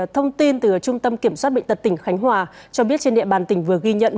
thông tin từ trung tâm kiểm soát bệnh tật tỉnh khánh hòa cho biết trên địa bàn tỉnh vừa ghi nhận